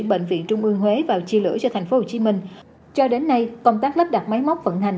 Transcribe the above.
bệnh viện trung ương huế vào chia lửa cho tp hcm cho đến nay công tác lắp đặt máy móc vận hành